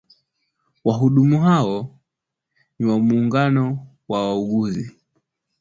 Wahudumu hao ni wa muungano wa wauguzi